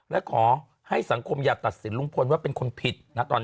และขอให้สังคมอย่าตัดสินลุงพลว่าเป็นคนผิดนะตอนนี้